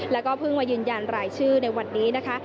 แล้วก็เพิ่งมายืนยันรายชื่อในวันนี้นะคะ